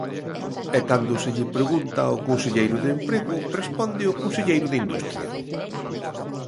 E cando se lle pregunta ao conselleiro de Emprego, responde o conselleiro de Industria.